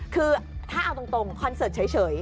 คือถ้าเอาตรงคอนเสิร์ตเฉย